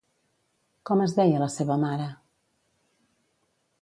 Com es deia la seva mare?